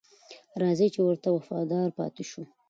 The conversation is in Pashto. راځئ چې ورته وفادار پاتې شو.